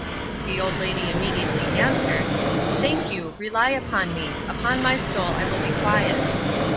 The old lady immediately answered: 'Thank you, rely upon me. Upon my soul I will be quiet.